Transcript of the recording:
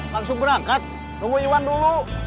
langsung berangkat nunggu iwan dulu